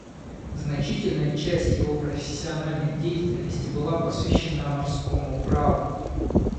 Значительная часть его профессиональной деятельности была посвящена морскому праву.